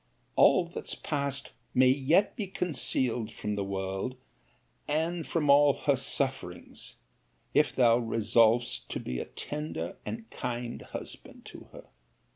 All that's past may yet be concealed from the world, and from all her sufferings, if thou resolvest to be a tender and kind husband to her.